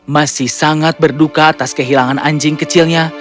masih sangat berduka atas kehilangan anjing kecilnya